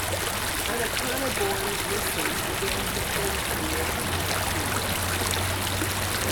Ancona-born Lisi began her film career in her teens.